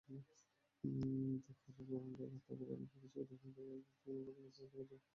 দেখার থাকে আমাদের দেশে প্রতিষ্ঠানটি তাদের দায়িত্ব পালনে কতটা কার্যকর ভূমিকায় আছে।